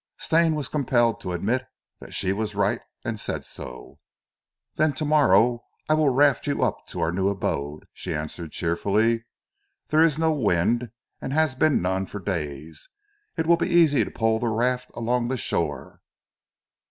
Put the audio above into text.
Stane was compelled to admit that she was right, and said so. "Then tomorrow I will raft you up to our new abode," she answered cheerfully. "There is no wind, and has been none for days. It will be easy to pole the raft along the shore."